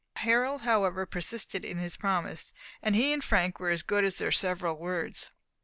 Harold however persisted in his promise, and he and Frank were as good as their several words.